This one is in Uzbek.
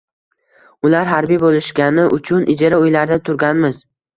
Ular harbiy boʻlishgani uchun ijara uylarda turganmiz.